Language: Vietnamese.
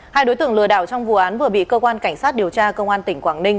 hai đối tượng lừa đảo trong vụ án vừa bị cơ quan cảnh sát điều tra công an tỉnh quảng ninh